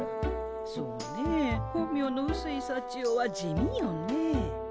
そうねえ本名のうすいさちよは地味よね。